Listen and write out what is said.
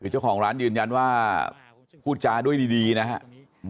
เจ้าของร้านยืนยันว่าพูดจาด้วยดีนะครับ